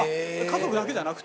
家族だけじゃなくて。